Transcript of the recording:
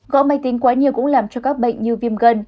gõ máy tính quá nhiều cũng làm cho các bệnh như viêm gan